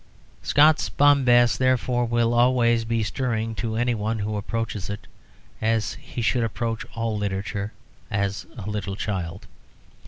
Scott's bombast, therefore, will always be stirring to anyone who approaches it, as he should approach all literature, as a little child.